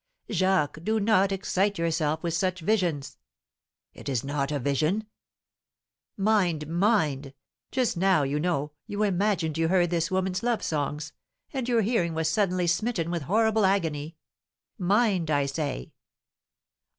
"Jacques, do not excite yourself with such visions!" "It is not a vision." "Mind, mind! Just now, you know, you imagined you heard this woman's love songs, and your hearing was suddenly smitten with horrible agony. Mind, I say!"